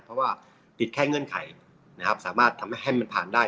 เพราะว่าปิดแค่เงื่อนไขนะครับสามารถทำให้มันผ่านได้